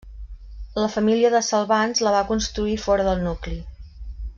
La família de Salvans la va construir fora del nucli.